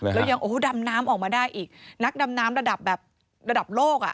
แล้วยังโอ้โหดำน้ำออกมาได้อีกนักดำน้ำระดับแบบระดับโลกอ่ะ